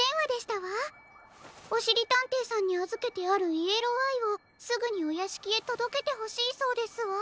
おしりたんていさんにあずけてあるイエローアイをすぐにおやしきへとどけてほしいそうですわ。